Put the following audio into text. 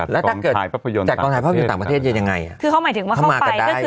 แล้วถ้าเกิดจัดกองถ่ายภาพยนตร์ต่างประเทศจะยังไงเข้ามากันได้